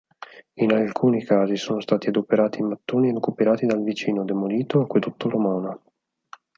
In alcuni casi sono stati adoperati i mattoni recuperati dal vicino, demolito, acquedotto romano.